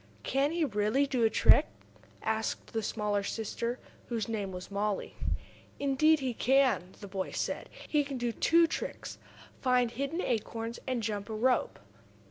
"Can he really do a trick?" asked the smaller sister, whose name was Mollie. "Indeed he can," the boy said. "He can do two tricks find hidden acorns, and jump a rope."